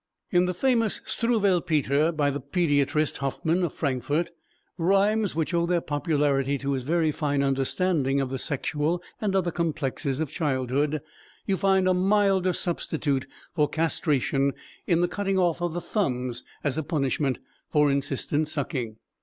In the famous Struwelpeter by the pediatrist Hoffman, of Frankfort, rhymes which owe their popularity to his very fine understanding of the sexual and other complexes of childhood, you find a milder substitute for castration in the cutting off of the thumbs as a punishment for insistent sucking.